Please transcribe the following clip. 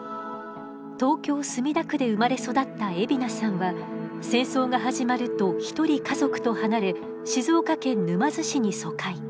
東京・墨田区で生まれ育った海老名さんは戦争が始まると一人家族と離れ静岡県沼津市に疎開。